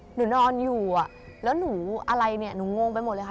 หนูนอนอยู่อ่ะแล้วหนูอะไรเนี่ยหนูงงไปหมดเลยค่ะ